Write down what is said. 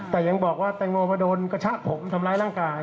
แต่ยังบอกว่าแตงโมมาโดนกระชะผมทำร้ายร่างกาย